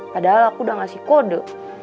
padahal aku udah ngasih kode